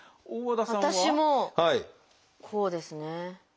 私もこうですね。